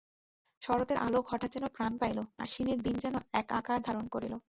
শরতের আলোক হঠাৎ যেন প্রাণ পাইল, আশ্বিনের দিন যেন আকার ধারণ করিল।